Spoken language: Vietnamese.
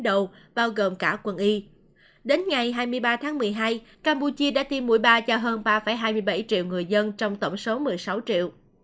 đến ngày hai mươi ba tháng một mươi hai campuchia đã tiêm mũi ba cho hơn ba hai mươi bảy triệu người dân trong tổng số một mươi sáu triệu